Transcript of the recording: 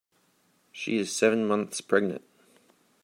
She is seven months pregnant.